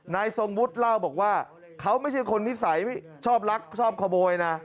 ทรงวุฒิเล่าบอกว่าเขาไม่ใช่คนนิสัยชอบลักชอบขโมยนะ